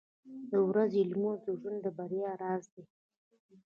• د ورځې لمونځ د ژوند د بریا راز دی.